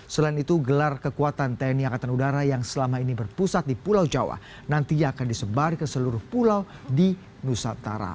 selain itu gelar kekuatan tni angkatan udara yang selama ini berpusat di pulau jawa nantinya akan disebar ke seluruh pulau di nusantara